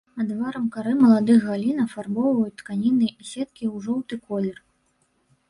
Адварам кары маладых галін афарбоўваюць тканіны і сеткі ў жоўты колер.